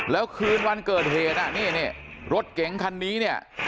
แล้วคืนวันเกิดเหตุอ่ะนี่รถเก๋งคันนี้เนี่ย